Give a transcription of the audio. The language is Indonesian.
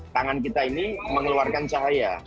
tangan kita ini mengeluarkan cahaya